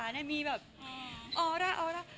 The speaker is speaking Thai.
อ่อและราโอร่า